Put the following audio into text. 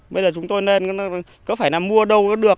bây giờ chúng tôi lên có phải là mua đâu cũng được